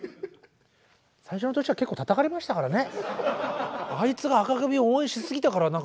最初の年は結構たたかれましたからね。